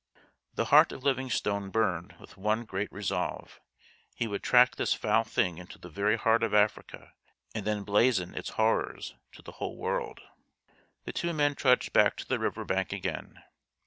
The heart of Livingstone burned with one great resolve he would track this foul thing into the very heart of Africa and then blazon its horrors to the whole world. The two men trudged back to the river bank again.